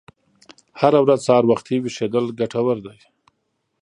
هره ورځ سهار وختي ویښیدل ګټور دي.